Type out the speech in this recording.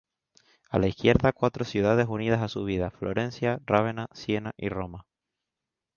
A la izquierda, cuatro ciudades unidas a su vida: Florencia, Rávena, Siena y Roma.